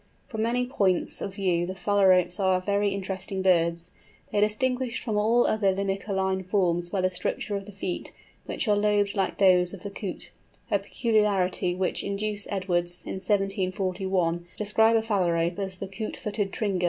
From many points of view the Phalaropes are very interesting birds. They are distinguished from all other Limicoline forms by the structure of the feet, which are lobed like those of the Coot—a peculiarity which induced Edwards, in 1741, to describe a Phalarope as the "Coot footed Tringa."